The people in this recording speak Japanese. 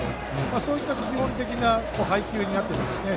そういった基本的な配球になってきますね。